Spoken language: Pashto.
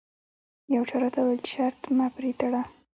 یو چا راته وویل چې شرط مه پرې تړه.